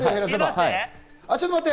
ちょっと待って。